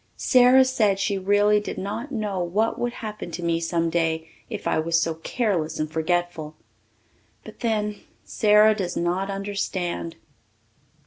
Sara said she really did not know what would happen to me some day if I was so careless and forgetful. But then, Sara does not understand.